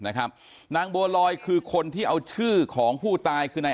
นางบัวลอยคือคนที่เอาชื่อของผู้ตายคือนาย